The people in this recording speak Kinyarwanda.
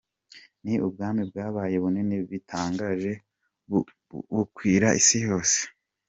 Ni ubwami bwabaye bunini bitangaje ,bukwira isi yose.